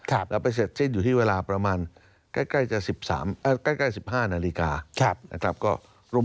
และไปเสร็จชิ้นอยู่ที่เวลาประมาณแค่ไกลจะ๑๕นาฬิกานะครับ